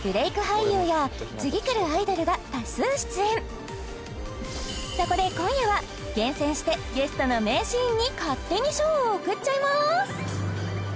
俳優や次くるアイドルが多数出演そこで今夜は厳選してゲストの名シーンに勝手に賞を贈っちゃいます！